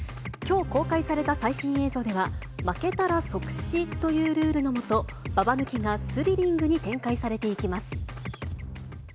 きょう、公開された最新映像では、負けたら即死というルールのもと、ババ抜きがスリリングに展開されていきます。